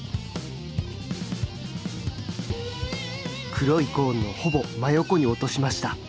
黒いコーンのほぼ真横に落としました。